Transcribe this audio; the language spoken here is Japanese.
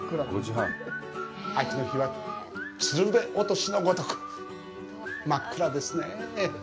秋の日は、つるべ落としのごとく真っ暗ですねえ。